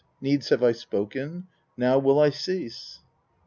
Needs have I spoken, now will I cease.'